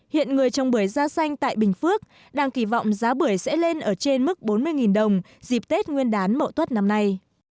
hiện người trồng bưởi da xanh tại bình phước đang kỳ vọng giá bưởi sẽ lên ở trên mức bốn mươi đồng dịp tết nguyên đán mậu tuất năm nay